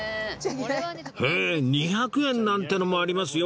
へえ２００円なんてのもありますよ